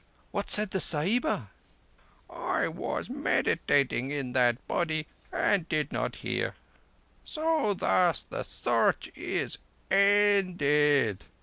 "What said the Sahiba?" "I was meditating in that body, and did not hear. So thus the Search is ended.